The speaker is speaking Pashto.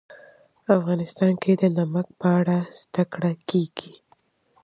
افغانستان کې د نمک په اړه زده کړه کېږي.